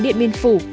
điện biên phủ